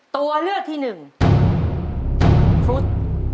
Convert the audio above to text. ตัวเลือกที่๑ฟุต